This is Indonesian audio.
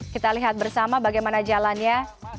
kita lihat bersama bagaimana jalannya